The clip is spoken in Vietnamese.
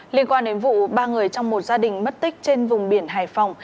liên quan đến vụ ba người trong một gia đình mất tích trên vùng biển hải phòng